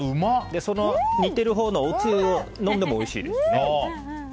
煮てるほうのおつゆを飲んでもおいしいです。